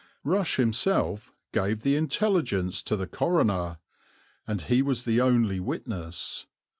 Rush himself gave the intelligence to the coroner, and he was the only witness.